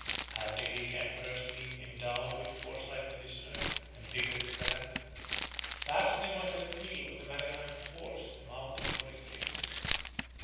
Had the Greek emperors been endowed with foresight to discern, and vigor to prevent, perhaps they might have sealed with a maritime force the mouth of the Borysthenes.